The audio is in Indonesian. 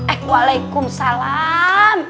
eh walaikum salam